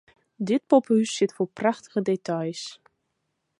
Dit poppehûs sit fol prachtige details.